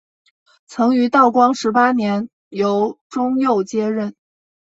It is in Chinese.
曾于道光十八年由中佑接任。